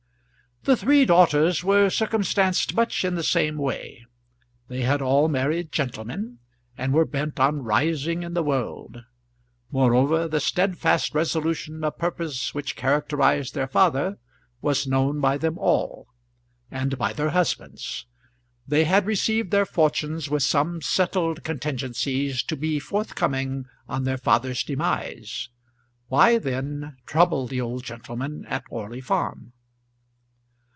The three daughters were circumstanced much in the same way: they had all married gentlemen, and were bent on rising in the world; moreover, the steadfast resolution of purpose which characterised their father was known by them all, and by their husbands: they had received their fortunes, with some settled contingencies to be forthcoming on their father's demise; why, then, trouble the old gentleman at Orley Farm?